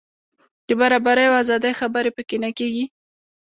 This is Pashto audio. د برابرۍ او ازادۍ خبرې په کې نه کېږي.